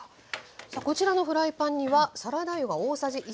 さあこちらのフライパンにはサラダ油が大さじ１入ってます。